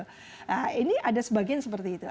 nah ini ada sebagian seperti itu